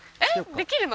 できるの？